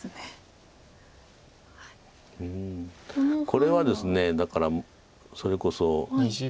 これはですねだからそれこそ。